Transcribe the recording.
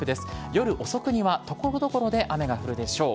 夜遅くにはところどころで雨が降るでしょう。